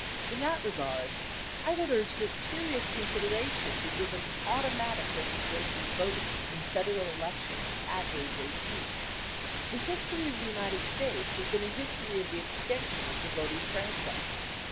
In that regard, I would urge that serious consideration be given automatic registration of voters in Federal elections at age 18. The history of the United mi States has been a history of the extension of the voting franchise.